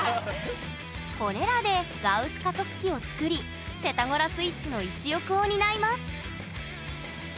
これらでガウス加速機を作りセタゴラスイッチの一翼を担います